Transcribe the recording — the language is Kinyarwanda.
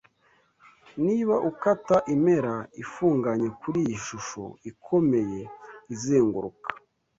Niba ukata impera ifunganye kuri iyi shusho ikomeye izenguruka